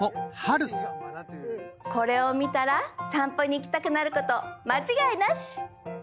これを見たら散歩に行きたくなること間違いなし！